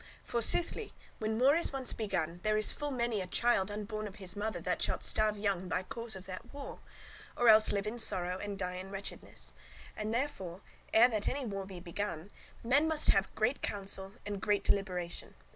For soothly when war is once begun, there is full many a child unborn of his mother, that shall sterve [die] young by cause of that war, or else live in sorrow and die in wretchedness; and therefore, ere that any war be begun, men must have great counsel and great deliberation."